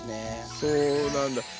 そうなんだ。